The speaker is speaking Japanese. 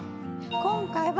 今回は。